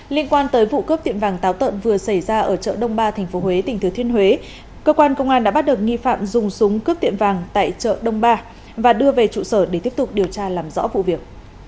liên quan tới vụ cướp tiệm vàng táo tợn vừa xảy ra ở chợ đông ba tp huế tỉnh thứ thiên huế cơ quan công an đã bắt được nghi phạm dùng súng cướp tiệm vàng tại chợ đông ba và đưa về trụ sở để tiếp tục điều tra làm rõ vụ việc